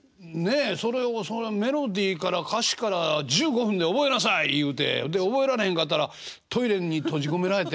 それをそのメロディーから歌詞から１５分で覚えなさい言うてで覚えられへんかったらトイレに閉じ込められて。